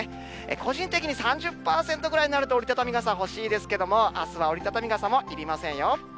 個人的に３０％ぐらいになると、折り畳み傘、欲しいですけども、あすは折り畳み傘もいりませんよ。